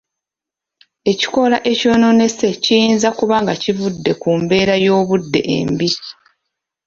Ekikoola ekyonoonese kiyinza kuba nga kivudde ku mbeera y'obudde embi.